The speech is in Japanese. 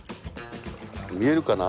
見えるかな？